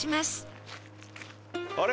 あれ？